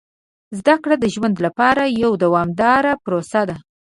زده کړه د ژوند لپاره یوه دوامداره پروسه ده.